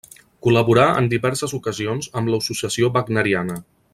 Col·laborà en diverses ocasions amb l'Associació Wagneriana.